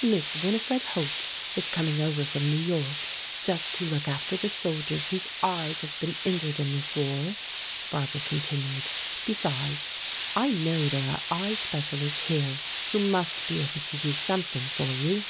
"Miss Winifred Holt is coming over from New York just to look after the soldiers whose eyes have been injured in this war," Barbara continued. "Besides, I know there are eye specialists here who must be able to do something for you."